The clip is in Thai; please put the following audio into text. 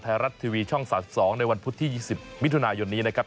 ไทยรัฐทีวีช่อง๓๒ในวันพุธที่๒๐มิถุนายนนี้นะครับ